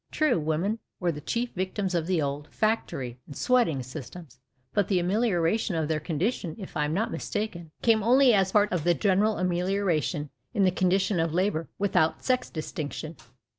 True, women were the chief victims of the old " factory " and " sweating " systems, but the amelioration of their condition, if I am not mistaken, came only as part of the general amelioration in the condition of " labour," without sex distinction.